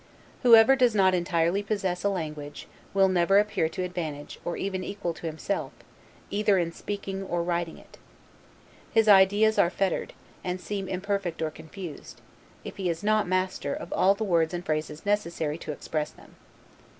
Whoever does not entirely possess a language, will never appear to advantage, or even equal to himself, either in speaking or writing it. His ideas are fettered, and seem imperfect or confused, if he is not master of all the words and phrases necessary to express them.